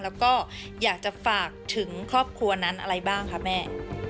แล้วก็อยากจะฝากถึงครอบครัวนั้นอะไรบ้างคะแม่